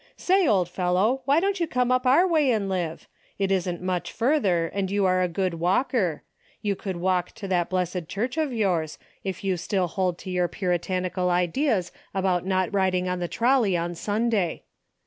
Say, old fellow, why don't you come up our way and live ? It isn't much further, and you are a good walker. You could walk to that blessed church of 152 A DAILY RATE!' 153 yours, if you still hold to your puritanical ideas about not riding on the trolley on Sun day.